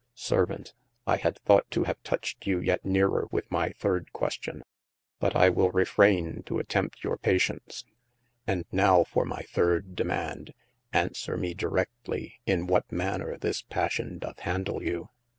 Servaunt, I had thought to have touched you yet nearer with my thirde question, but I will refrayne to attempt your pacience : and nowe for my third demaund, aunswere me diredtly in what manner this passion doth handle you